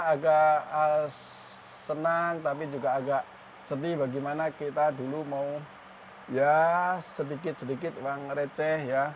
agak senang tapi juga agak sedih bagaimana kita dulu mau ya sedikit sedikit uang receh ya